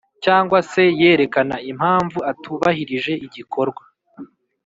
cyangwa se yerekana impamvu atubahirije igikorwa